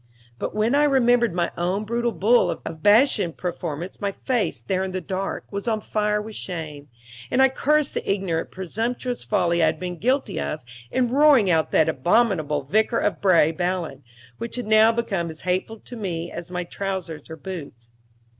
But when I remembered my own brutal bull of Bashan performance, my face, there in the dark, was on fire with shame; and I cursed the ignorant, presumptuous folly I had been guilty of in roaring out that abominable "Vicar of Bray" ballad, which had now become as hateful to me as my trousers or boots.